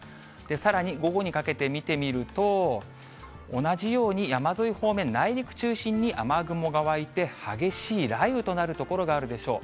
さらに午後にかけて見てみると、同じように山沿い方面、内陸中心に、雨雲が湧いて激しい雷雨となる所があるでしょう。